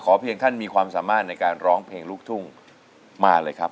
เพียงท่านมีความสามารถในการร้องเพลงลูกทุ่งมาเลยครับ